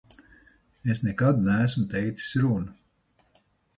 Es nekad neesmu teicis runu.